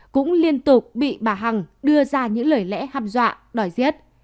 cũng liên tục bị bà hằng đưa ra những lời lẽ ham dọa đòi giết